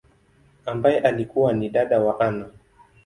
ambaye alikua ni dada wa Anna.